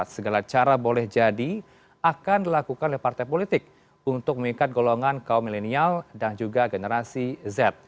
segala cara boleh jadi akan dilakukan oleh partai politik untuk mengikat golongan kaum milenial dan juga generasi z